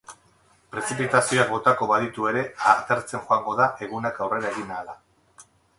Prezipitazioak botako baditu ere, atertzen joango da egunak aurrera egin ahala.